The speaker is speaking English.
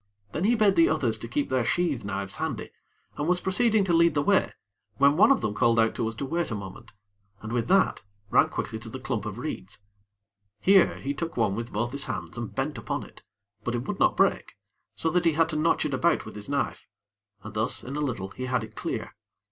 Then he bade the others keep their sheath knives handy, and was proceeding to lead the way, when one of them called out to us to wait a moment, and, with that, ran quickly to the clump of reeds. Here, he took one with both his hands and bent upon it; but it would not break, so that he had to notch it about with his knife, and thus, in a little, he had it clear.